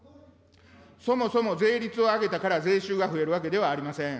そもそも税率を上げたから税収が増えるわけではありません。